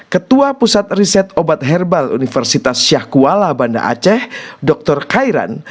ketua pusat riset obat herbal universitas syahkuala banda aceh dr khairan